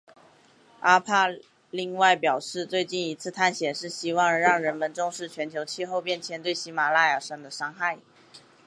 阿帕另外表示最近一次探险是希望让人们重视全球气候变迁对喜玛拉雅山的伤害。